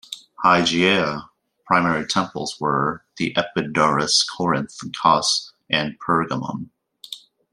Hygieia's primary temples were in Epidaurus, Corinth, Cos and Pergamon.